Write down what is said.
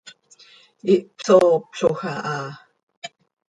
Ihpsooploj aha.